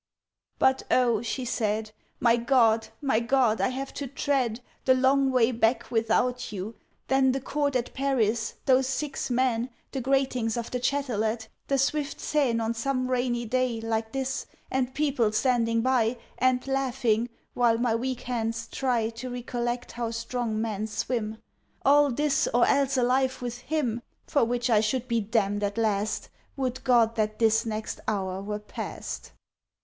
But: O! she said, My God! my God! I have to tread The long way back without you; then The court at Paris; those six men; The gratings of the Chatelet; The swift Seine on some rainy day Like this, and people standing by, And laughing, while my weak hands try To recollect how strong men swim. All this, or else a life with him, For which I should be damned at last, Would God that this next hour were past!